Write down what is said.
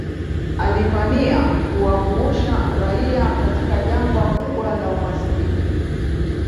alipania kuwavuusha raia katika jangwa kubwa la umasikini